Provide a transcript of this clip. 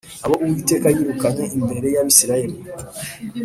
abo Uwiteka yirukanye imbere y’Abisirayeli